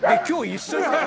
今日一緒に。